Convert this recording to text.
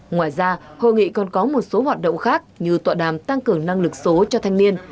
ngoài ra hội nghị còn có một số hoạt động khác như tọa đàm tăng cường năng lực số cho thanh niên